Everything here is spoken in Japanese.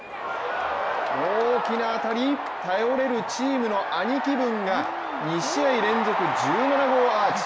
大きな当たり、頼れるチームの兄貴分が２試合連続１７号アーチ。